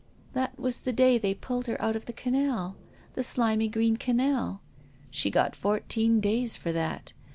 " That was the day they pulled her out of the canal — the slimy, green canal. She got fourteen days for that.